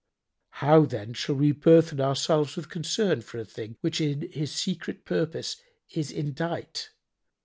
How then shall we burthen ourselves with concern for a thing which in His secret purpose is indite?